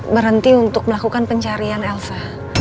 berhenti untuk melakukan pencarian elsa